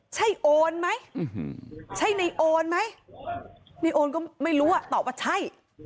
ใช่โอนไหมใช่ในโอนไหมในโอนก็ไม่รู้อ่ะตอบว่าใช่